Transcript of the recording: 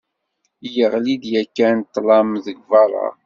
Yeɣli-d yakkan ṭṭlam g beṛṛa.